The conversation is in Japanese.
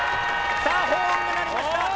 さあホーンが鳴りました。